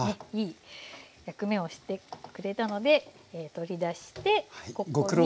いい役目をしてくれたので取り出してここに。